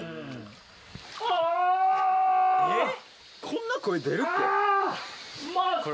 こんな声出るっけ？